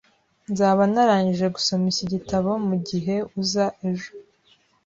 Nzaba narangije gusoma iki gitabo mugihe uza ejo